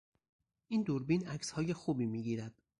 این دوربین عکسهای خوبی میگیرد.